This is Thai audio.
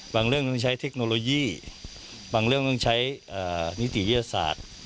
เรื่องต้องใช้เทคโนโลยีบางเรื่องต้องใช้นิติวิทยาศาสตร์